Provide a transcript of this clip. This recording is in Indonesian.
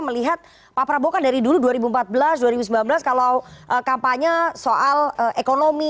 melihat pak prabowo kan dari dulu dua ribu empat belas dua ribu sembilan belas kalau kampanye soal ekonomi